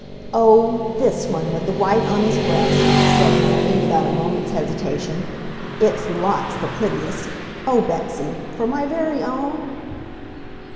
"Oh, THIS one with the white on his breast," said Molly, without a moment's hesitation. "It's LOTS the prettiest! Oh, Betsy! For my very own?"